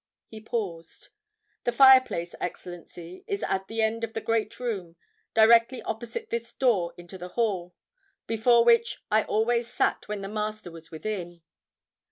He paused. "The fireplace, Excellency, is at the end of the great room, directly opposite this door into the hall, before which I always sat when the Master was within.